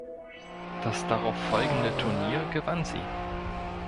Das darauffolgende Turnier gewann sie.